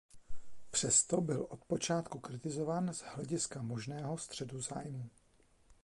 Přesto byl od počátku kritizován z hlediska možného střetu zájmů.